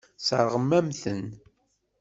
Sseṛɣen-am-ten.